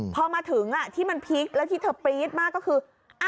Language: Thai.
พอมาถึงที่มันพลิกแล้วที่เธอปรี๊ดมากก็คือ